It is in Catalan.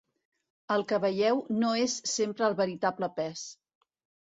El que veieu no és sempre el veritable pes...